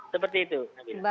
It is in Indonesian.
seperti itu nabila